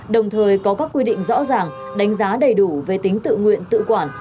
đồng thời có các quy định rõ ràng đánh giá đầy đủ về tính tự nguyện tự quản